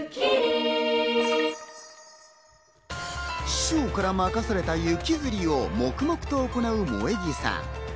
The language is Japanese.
師匠から任された雪吊りを黙々と行う萌木さん。